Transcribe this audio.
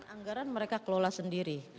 anggaran mereka kelola sendiri